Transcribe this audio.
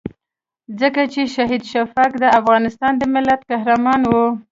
ځکه چې شهید شفیق د افغانستان د ملت قهرمان وو.